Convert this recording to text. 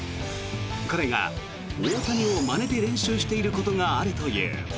彼が大谷をまねて練習していることがあるという。